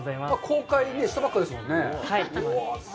公開したばっかりですもんね。